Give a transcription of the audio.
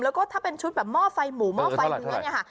แล้วก็ถ้าเป็นชุดแบบหม้อไฟหมูหม้อไฟเนื้อเนี่ยค่ะ